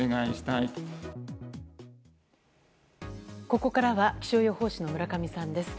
ここからは気象予報士の村上さんです。